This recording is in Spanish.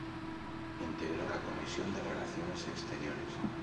Integró la comisión de Relaciones Exteriores.